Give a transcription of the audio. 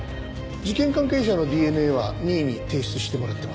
事件関係者のＤＮＡは任意に提出してもらってます。